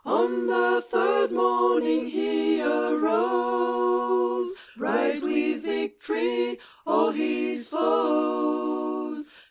On the third morning he arose, Bright with victory o'er His foes.